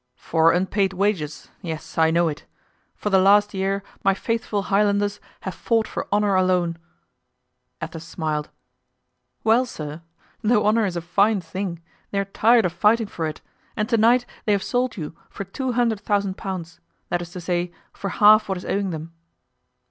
"For unpaid wages; yes, I know it. For the last year my faithful Highlanders have fought for honor alone." Athos smiled. "Well, sir, though honor is a fine thing, they are tired of fighting for it, and to night they have sold you for two hundred thousand pounds—that is to say, for half what is owing them."